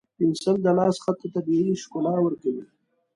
پنسل د لاس خط ته طبیعي ښکلا ورکوي.